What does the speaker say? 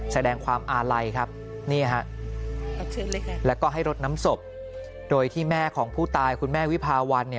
แสดงความอาลัยครับนี่ฮะแล้วก็ให้รดน้ำศพโดยที่แม่ของผู้ตายคุณแม่วิภาวัน